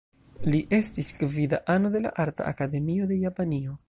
Li estis gvida ano de la Arta Akademio de Japanio.